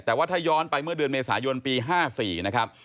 แต่ว่าถ้าย้อนไปเมื่อเดือนเมษายนปี๕๔นะครับ